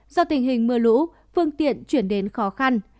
do tình hình mưa lũ phương tiện chuyển đến khó khăn